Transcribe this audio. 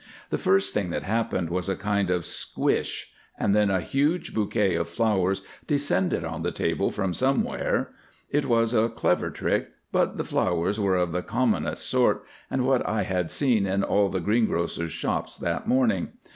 The first thing that happened was a kind of "squish," and then a huge bouquet of flowers descended on the table from somewhere. It was a clever trick, but the flowers were of the commonest sort, and what I had seen in all the greengrocers' shops that morning.